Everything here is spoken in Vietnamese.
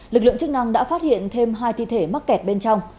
lực lượng chức năng đã phát hiện thêm hai thi thể mắc kẹt bên trong